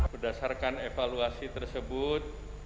berdasarkan evaluasi tersebut